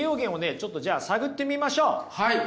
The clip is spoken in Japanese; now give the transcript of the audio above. ちょっとじゃあ探ってみましょう。